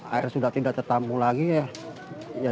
air sudah tidak tertampu lagi ya